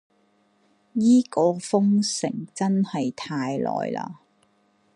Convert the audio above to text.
依場封城真係太耐喇